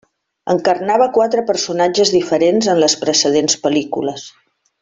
Encarnava quatre personatges diferents en les precedents pel·lícules.